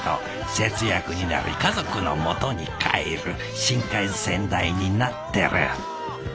節約になり家族の元に帰る新幹線代になってる。